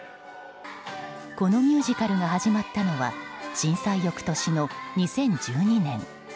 このミュージカルが始まったのは震災翌年の、２０１２年。